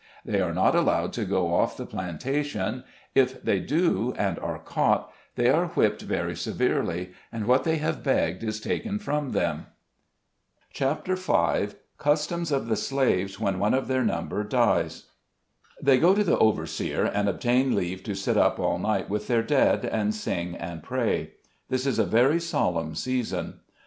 They are not allowed to go off the plantation ; if they do and are caught, they are whipped very severely, and what they have begged is taken from them. 180 SKETCHES OF SLAVE LIFE. CHAPTER V CUSTOMS OF THE SLAVES, WHEN ONE OF THEIR NUMBER DIES. HEY go to the overseer, and obtain leave to sit up all night with their dead, and sing and pray. This is a very solemn season.